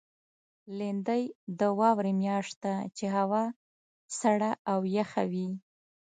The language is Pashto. لېندۍ د واورې میاشت ده، چې هوا سړه او یخه وي.